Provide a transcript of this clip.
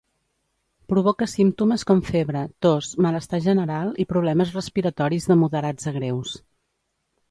Provoca símptomes com febre, tos, malestar general i problemes respiratoris de moderats a greus.